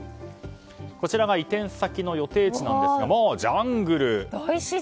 こちらが移転先の予定地なんですがもう、ジャングル！